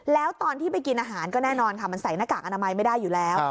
แล้วตอนที่ไปกินอาหารก็แน่นอนค่ะมันใส่หน้ากากอนามัยไม่ได้อยู่แล้ว